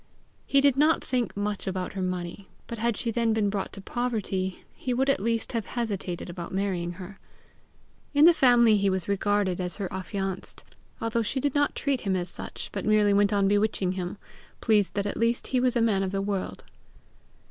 He did not think much about her money, but had she then been brought to poverty, he would at least have hesitated about marrying her. In the family he was regarded as her affianced, although she did not treat him as such, but merely went on bewitching him, pleased that at least he was a man of the world.